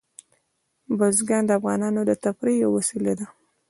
بزګان د افغانانو د تفریح یوه وسیله ده.